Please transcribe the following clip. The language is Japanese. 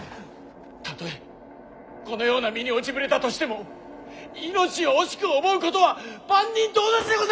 たとえこのような身に落ちぶれたとしても命を惜しく思うことは万人と同じでございます！